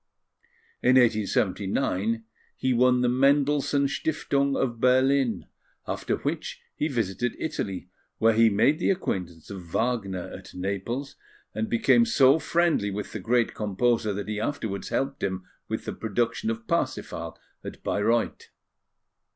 In 1879, he won the Mendelssohn Stiftung of Berlin; after which he visited Italy, where he made the acquaintance of Wagner at Naples, and became so friendly with the great composer that he afterwards helped him with the production of Parsifal at Bayreuth.